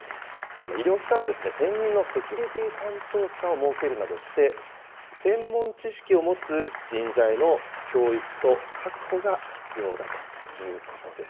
医療機関は、専任のセキュリティー担当者を設けるなどして、専門知識を持つ人材の教育と確保が必要だということです。